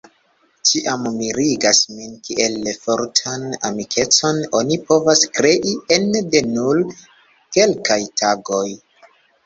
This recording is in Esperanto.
Ĉiam mirigas min kiel fortan amikecon oni povas krei ene de nur kelkaj tagoj.